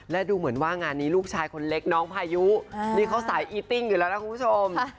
และดูเหมือนว่างานนี้ลูกชายคนเล็กน้องพายุนี่เขาสายอีติ้งอยู่แล้วนะคุณผู้ชม